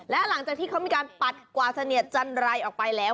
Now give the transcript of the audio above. และหลังจากที่เขามีการปัดกว่าเสนียดจันไรออกไปแล้ว